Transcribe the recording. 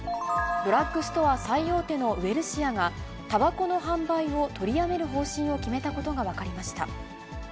ドラッグストア最大手のウエルシアが、たばこの販売を取りやめる方針を決めたことが分かりました。